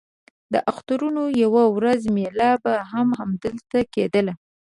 د اخترونو یوه ورځ مېله به هم همدلته کېدله.